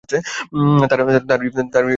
তাঁর এই অসুখ আর সারে নি।